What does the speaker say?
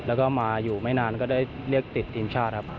แล้วก็มาอยู่ไม่นานก็ได้เรียกติดทีมชาติครับ